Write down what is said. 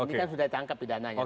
ini kan sudah ditangkap pidananya